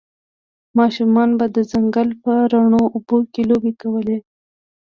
ماشومانو به د ځنګل په روڼو اوبو کې لوبې کولې